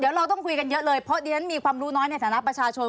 เดี๋ยวเราต้องคุยกันเยอะเลยเพราะดิฉันมีความรู้น้อยในฐานะประชาชน